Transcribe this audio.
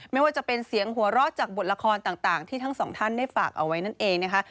ไม่ว่าจะเป็นเสียงหัวเราะจากบทละครต่างที่ทั้งสองท่านได้ฝากเอาไว้นั่นเองนะคะ